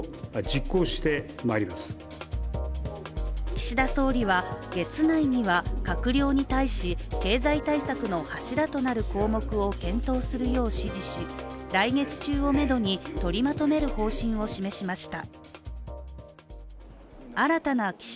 岸田総理は月内には閣僚に対し経済対策の柱となる項目を検討するよう指示し、来月中をめどに取りまとめる方針を示しました。